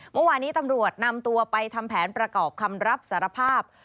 เมื่อวานี้ตำรวจนำตัวไปทำแผนประกอบคำรับสารภาพ